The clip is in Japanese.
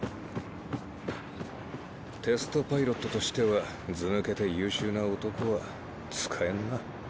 テストパイロットとしてはずぬけて優秀な男は使えんな。